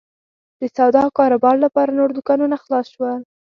د سودا او کاروبار لپاره نور دوکانونه خلاص شول.